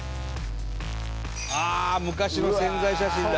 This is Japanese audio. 昔の宣材写真だ。